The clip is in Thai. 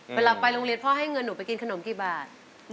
เวลาไปโรงเรียนพ่อให้เงินหนูไปกินขนมกี่บาท